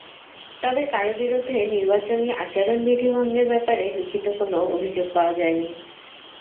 তবে কারও বিরুদ্ধে নির্বাচনী আচরণবিধি ভঙ্গের ব্যাপারে লিখিত কোনো অভিযোগ পাওয়া যায়নি।